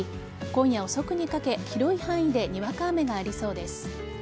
今夜遅くにかけ、広い範囲でにわか雨がありそうです。